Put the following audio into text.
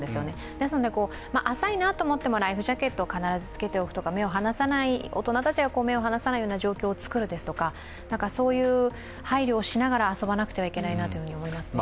ですので浅いなと思ってもライフジャケットを必ずつけておくとか大人たちが目を離さない状況を作るですとかそういう配慮をしながら遊ばなくてはいけないなと思いましたね。